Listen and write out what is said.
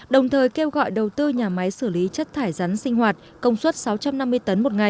đồng thời kêu gọi đầu tư nhà máy xử lý chất thải rắn sinh hoạt công suất sáu trăm năm mươi tấn một ngày